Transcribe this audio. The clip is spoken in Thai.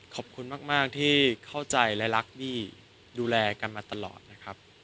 ขอบคุณมากที่เข้าใจและรักบี้ดูแลกันมาตลอดนะครับ